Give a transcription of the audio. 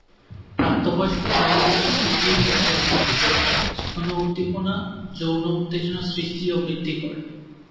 প্রাপ্তবয়স্ক নারী ও পুরুষ উভয়ই জানিয়েছেন যে, স্তন উদ্দীপনা যৌন উত্তেজনা সৃষ্টি ও বৃদ্ধি করে।